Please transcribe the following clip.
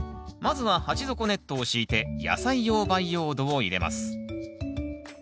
まずは鉢底ネットを敷いて野菜用培養土を入れます。